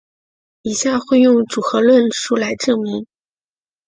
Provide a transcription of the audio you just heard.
以下会用组合论述来证明。